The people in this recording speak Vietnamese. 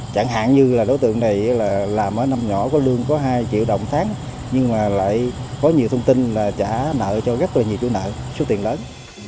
chẳng hạn như đối tượng này làm ở năm nhỏ có lương có hai triệu đồng tháng nhưng lại có nhiều thông tin là trả nợ cho rất nhiều chủ nợ số tiền lớn